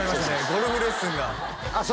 ゴルフレッスンがあっ